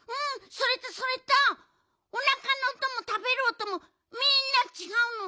それとそれとおなかのおともたべるおともみんなちがうの。